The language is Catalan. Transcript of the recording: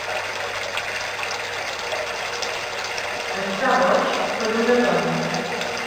Estar boig per una dona.